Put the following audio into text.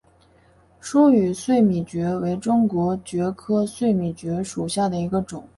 疏羽碎米蕨为中国蕨科碎米蕨属下的一个种。